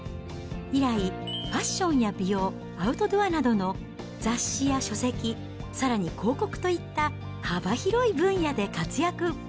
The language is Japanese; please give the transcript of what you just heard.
以来、ファッションや美容、アウトドアなどの雑誌や書籍、さらに広告といった幅広い分野で活躍。